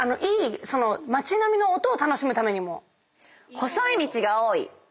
細い道が多い。